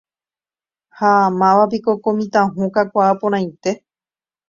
Ha mávapiko ko mitã hũ kakuaaporãite.